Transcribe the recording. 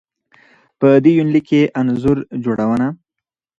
په دې يونليک کې انځور جوړونه